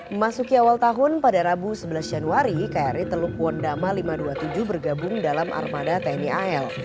memasuki awal tahun pada rabu sebelas januari kri teluk wondama lima ratus dua puluh tujuh bergabung dalam armada tni al